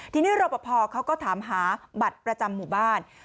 ทีนี้รอปภเขาก็ถามหาบัตรประจำหมู่บ้าน